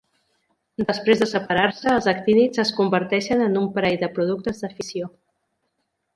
Després de separar-se, els actínids es converteixen en un parell de productes de fissió.